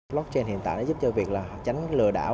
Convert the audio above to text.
blockchain hiện tại đã giúp cho việc là tránh lừa đảo